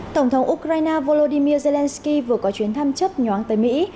tổng thống ukraine volodymyr zelensky vừa có chuyến thăm chấp nhoáng tới mỹ